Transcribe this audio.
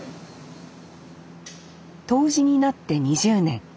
杜氏になって２０年。